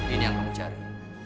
ini yang kamu cari